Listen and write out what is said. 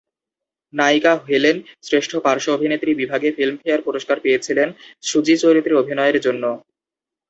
নায়িকা হেলেন শ্রেষ্ঠ পার্শ্ব অভিনেত্রী বিভাগে ফিল্মফেয়ার পুরস্কার পেয়েছিলেন 'সুজি' চরিত্রে অভিনয়ের জন্য।